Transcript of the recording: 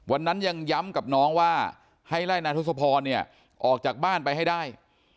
วันนั้นยังย้ำกับน้องว่าให้ไล่นายทศพรเนี่ยออกจากบ้านไปให้ได้